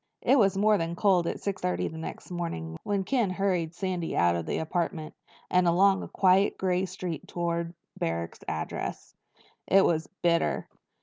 It was more than cold at six thirty the next morning when Ken hurried Sandy out of the apartment and along quiet gray streets toward Barrack's address. It was bitter.